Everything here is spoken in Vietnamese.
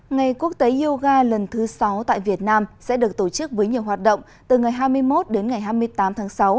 ngày quốc tế yoga lần thứ sáu tại việt nam sẽ được tổ chức với nhiều hoạt động từ ngày hai mươi một đến ngày hai mươi tám tháng sáu